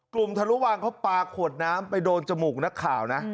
ทะลุวังเขาปลาขวดน้ำไปโดนจมูกนักข่าวนะ